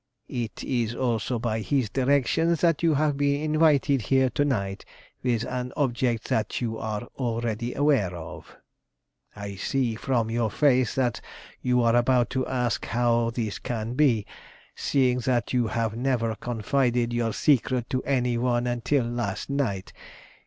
It is also by his direction that you have been invited here to night with an object that you are already aware of. "I see from your face that you are about to ask how this can be, seeing that you have never confided your secret to any one until last night.